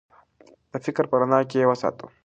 د فکر په رڼا کې یې وساتو.